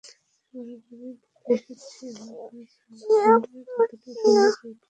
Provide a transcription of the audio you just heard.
আমি বারবারই বলে এসেছি, আমার কাজ হলো যতটা সম্ভব নিরপেক্ষ থাকা।